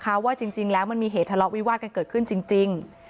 เพราะว่าจริงแล้วมันมีเหตุทะเลาะวิวาดกันเกิดขึ้นจริง